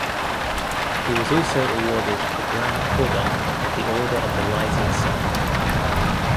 He was also awarded the Grand Cordon of the Order of the Rising Sun.